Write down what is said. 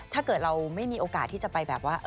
ถ้าเกิดเราไม่มีโอกาสที่จะไปแบบว่า